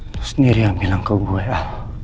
aku sendiri yang bilang ke gue ya